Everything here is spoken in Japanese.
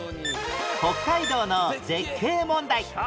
北海道の絶景問題